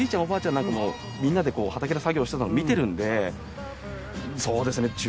おばあちゃんなんかもみんなでこう畑で作業してたの見てるんでそうですね